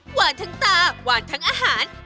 หวานทั้งตาหวานทั้งอาหาร